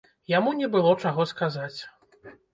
Яму не было чаго сказаць.